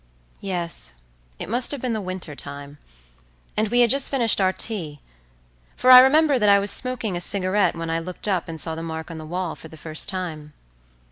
Yes, it must have been the winter time, and we had just finished our tea, for I remember that I was smoking a cigarette when I looked up and saw the mark on the wall for the first time.